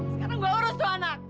sekarang nggak urus tuh anak